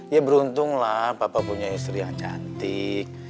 ya beruntung lah papa punya istri yang cantik